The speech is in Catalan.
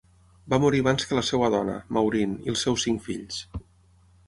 Va morir abans que la seva dona, Maureen, i els seus cinc fills.